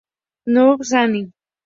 Nobuyuki Anzai